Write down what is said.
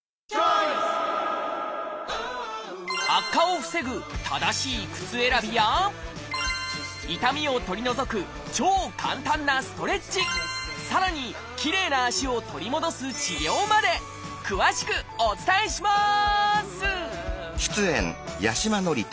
悪化を防ぐ正しい靴選びや痛みを取り除く超簡単なストレッチさらにきれいな足を取り戻す治療まで詳しくお伝えします！